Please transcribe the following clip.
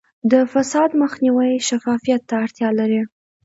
د فساد مخنیوی شفافیت ته اړتیا لري.